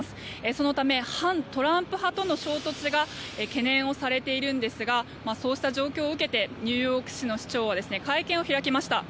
そのため反トランプ派との衝突が懸念されているんですがそうした状況を受けてニューヨーク市の市長は会見を開きました。